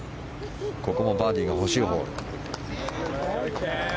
ここもバーディーが欲しいホール。